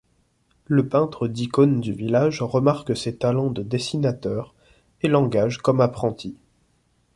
Le peintre d’icônes du village remarque ses talents de dessinateur, et l’engage comme apprenti.